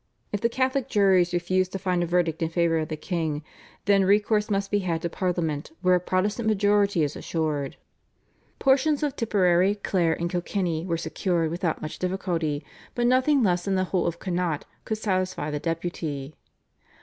If the Catholic juries refuse to find a verdict in favour of the king, then recourse must be had to Parliament, where a Protestant majority is assured." Portions of Tipperary, Clare, and Kilkenny were secured without much difficulty, but nothing less than the whole of Connaught would satisfy the Deputy.